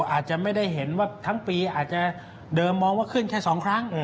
อาจจะไม่ได้เห็นว่าทั้งปีอาจจะเดิมมองว่าขึ้นแค่๒ครั้ง